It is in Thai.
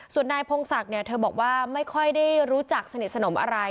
ส่วนนายพงศักดิ์เนี่ยเธอบอกว่าไม่ค่อยได้รู้จักสนิทสนมอะไร